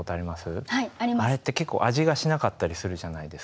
あれって結構味がしなかったりするじゃないですか。